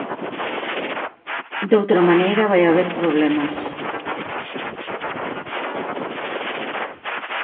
Doutra maneira vai haber problemas.